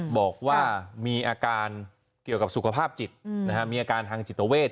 บอกว่ามีอาการเกี่ยวกับสุขภาพจิตมีอาการทางจิตเวท